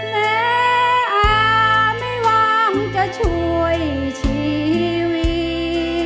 แม้อาไม่หวังจะช่วยชีวิต